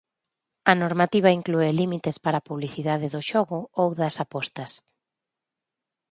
A normativa inclúe límites para a publicidade do xogo ou das apostas.